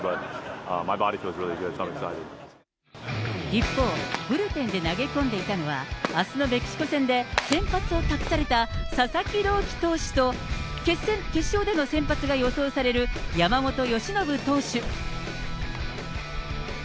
一方、ブルペンで投げ込んでいたのは、あすのメキシコ戦で先発を託された佐々木朗希投手と、決勝での先発が予想される山本由伸投手。